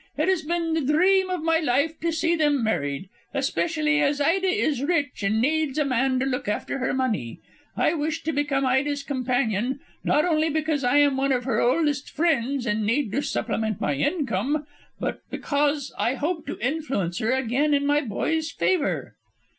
It has been the dream of my life to see them married, especially as Ida is rich and needs a man to look after her money. I wish to become Ida's companion, not only because I am one of her oldest friends and need to supplement my income, but because I hope to influence her again in my boy's favour."